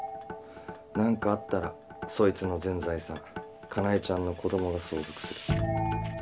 何かあったらそいつの全財産香奈江ちゃんの子供が相続する。